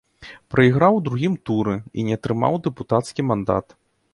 Прайграў у другім туры і не атрымаў дэпутацкі мандат.